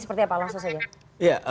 seperti apa langsung saja